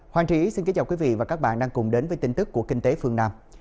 hoàng trí xin kính chào quý vị và các bạn đang cùng đến với tin tức của kinh tế phương nam